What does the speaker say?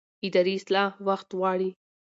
اداري اصلاح وخت غواړي